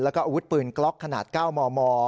แล้วก็อาวุธปืนกล็อกขนาด๙มม